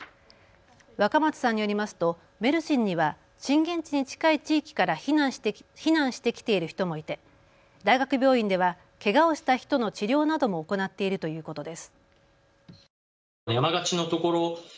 若松さんによりますとメルシンには震源地に近い地域から避難してきている人もいて大学病院ではけがをした人の治療なども行っているということです。